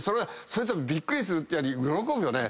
そいつびっくりするってより喜ぶよね。